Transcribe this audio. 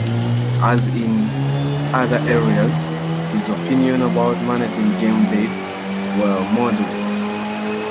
As in other areas, his opinions about managing game birds were moderate.